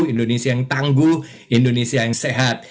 indonesia yang tangguh indonesia yang sehat